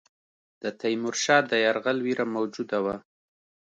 د تیمورشاه د یرغل وېره موجوده وه.